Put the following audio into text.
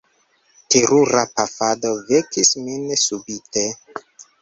Terura pafado vekis min subite.